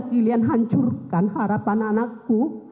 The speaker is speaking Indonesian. yang sudah kalian hancurkan harapan anakku